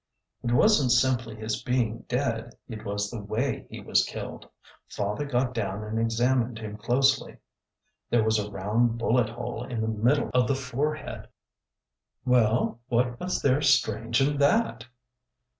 '' It was n't simply his being dead. It was the way he was killed. Father got down and examined him closely. THE SINGLE AIM II There was a round bullet hole in the middle of the fore head/' ''Well, what was there strange in that?"